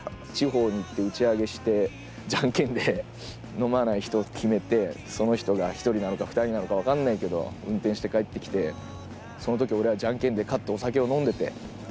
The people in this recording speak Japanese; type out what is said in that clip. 地方に行って打ち上げしてジャンケンで飲まない人決めてその人が１人なのか２人なのか分かんないけど運転して帰ってきてその時俺はジャンケンで勝ってお酒を飲んでて。